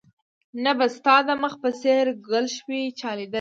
نه به ستا د مخ په څېر ګلش وي چا ليدلى